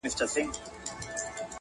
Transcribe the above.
پدې ټکر کي که سالم سنتيز جوړ سي